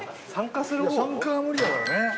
参加は無理だからね